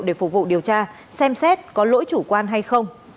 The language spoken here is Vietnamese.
để phục vụ điều tra xem xét có lỗi chủ quan hay không